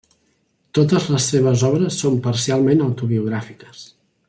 Totes les seves obres són parcialment autobiogràfiques.